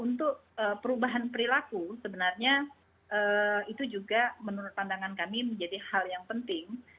untuk perubahan perilaku sebenarnya itu juga menurut pandangan kami menjadi hal yang penting